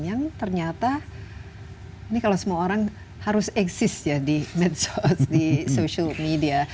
yang ternyata ini kalau semua orang harus exist ya di social media